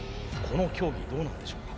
この競技どうなんでしょうか。